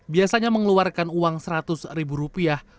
biasanya mengeluarkan uang seratus ribu rupiah